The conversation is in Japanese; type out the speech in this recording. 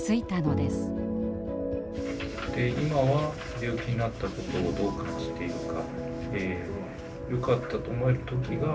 今は病気になったことをどう感じているか。